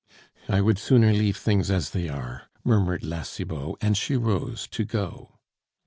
"I would sooner leave things as they are " murmured La Cibot, and she rose to go.